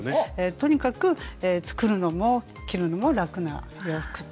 とにかく作るのも着るのも楽な洋服ということで。